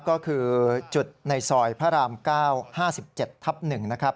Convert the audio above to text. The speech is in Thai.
ก็คือจุดในซอยพระราม๙๕๗ทับ๑นะครับ